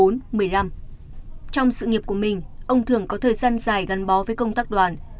trong sự nghiệp của mình ông thường có thời gian dài gắn bó với công tác đoàn